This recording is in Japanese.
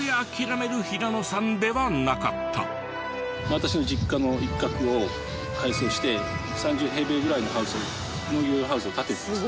私の実家の一角を改装して３０平米ぐらいのハウスを農業ハウスを建てたんです。